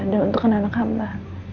untuk anak anak hamba